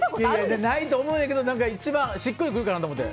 ないと思うんやけど一番しっくりくるかなと思って。